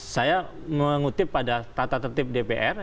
saya mengutip pada tata tertib dpr